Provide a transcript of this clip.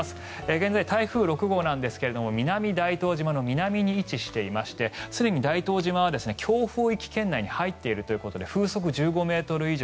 現在、台風６号ですが南大東島の南に位置していましてすでに大東島は強風域圏内に入っているといことで風速１５ｍ以上。